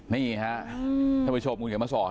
นี่ฮะท่านผู้ชมนุ่มแข็งมาสอน